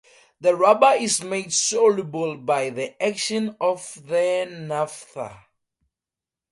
The rubber is made soluble by the action of the naphtha.